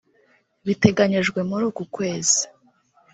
biteganyijwe muri uku kwezi